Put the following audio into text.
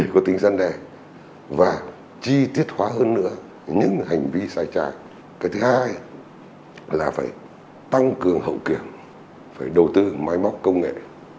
cái thứ hai là phải tăng cường hậu kiểm phải đầu tư máy móc công nghệ